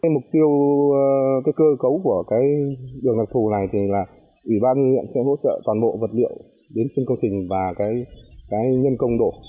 mục tiêu cơ cấu của đường đặc thù này là ủy ban nguyện sẽ hỗ trợ toàn bộ vật liệu đến sinh công trình và nhân công độ